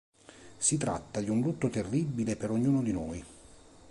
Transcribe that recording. Si tratta di un lutto terribile per ognuno di noi.